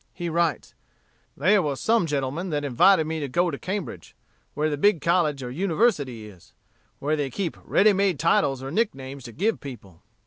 He writes: "There were some gentlemen that invited me to go to Cambridge, where the big college or university is, where they keep ready made titles or nick names to give people.